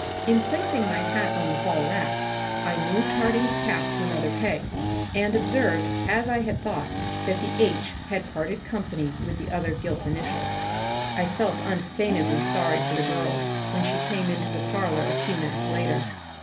In placing my hat on the hallrack I moved Harding's cap to another peg and observed, as I had thought, that the "H" had parted company with the other gilt initials. I felt unfeignedly sorry for the girl when she came into the parlor a few minutes later.